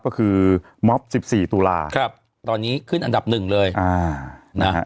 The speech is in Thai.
ก็คือม็อบสิบสี่ตุลาครับตอนนี้ขึ้นอันดับหนึ่งเลยอ่านะฮะ